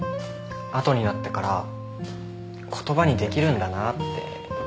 後になってから言葉にできるんだなってじわじわ思えて。